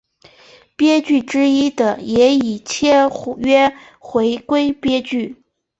编剧之一的也已签约回归编剧。